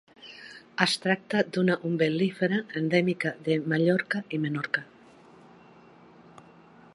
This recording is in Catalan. Es tracta d'una umbel·lífera endèmica de Mallorca i Menorca.